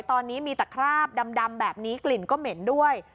ตอนนี้มีแต่คราบดำแบบนี้กลิ่นก็เหม็นด้วย